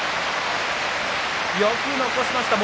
よく残しました。